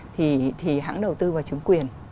thì hẳn đầu tư vào chứng quyền